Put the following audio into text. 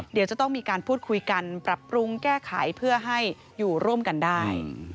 เดี๋ยวจะต้องมีการพูดคุยกันปรับปรุงแก้ไขเพื่อให้อยู่ร่วมกันได้